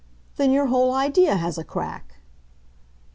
Then your whole idea has a crack."